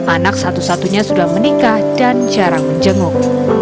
anak satu satunya sudah menikah dan jarang menjenguk